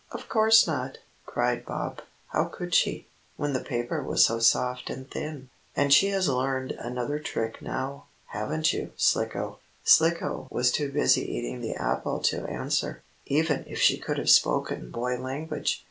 Of course not!" cried Bob. "How could she, when the paper was so soft and thin? And she has learned another trick now, haven't you, Slicko?" Slicko was too busy eating the apple to answer, even if she could have spoken boy language.